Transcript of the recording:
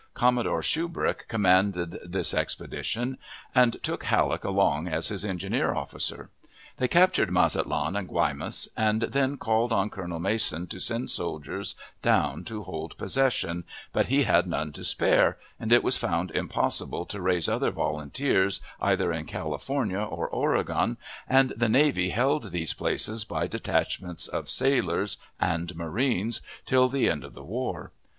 Commodore Shubrick commanded this expedition, and took Halleck along as his engineer officer. They captured Mazatlan and Guaymas, and then called on Colonel Mason to send soldiers down to hold possession, but he had none to spare, and it was found impossible to raise other volunteers either in California or Oregon, and the navy held these places by detachments of sailors and marines till the end of the war.